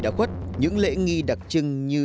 đã quất những lễ nghi đặc trưng như